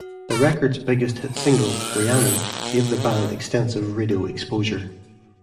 The record's biggest hit single, "Rhiannon", gave the band extensive radio exposure.